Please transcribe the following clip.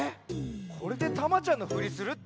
これでタマちゃんのふりするって？